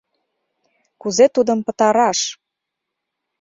Кузе тудым пытараш?»